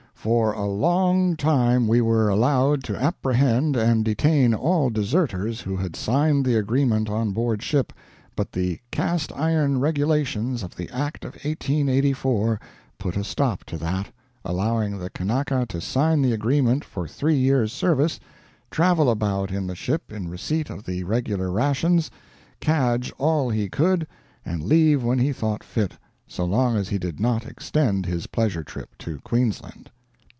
"For a long time we were allowed to apprehend and detain all deserters who had signed the agreement on board ship, but the 'cast iron' regulations of the Act of 1884 put a stop to that, allowing the Kanaka to sign the agreement for three years' service, travel about in the ship in receipt of the regular rations, cadge all he could, and leave when he thought fit, so long as he did not extend his pleasure trip to Queensland."